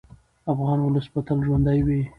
افغان ولس به تل ژوندی وي.